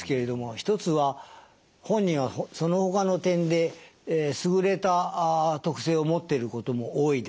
一つは本人はそのほかの点で優れた特性を持っていることも多いです。